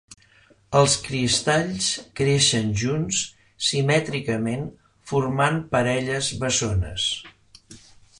Els cristalls creixen junts simètricament formant parelles bessones.